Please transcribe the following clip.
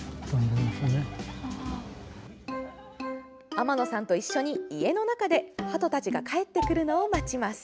天野さんと一緒に家の中ではとたちが帰ってくるのを待ちます。